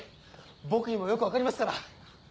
僕にもよくわかりますから。